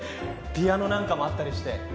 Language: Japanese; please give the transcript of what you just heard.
ピアノなんかもあったりして。